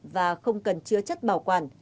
và không cần chứa chất bảo quản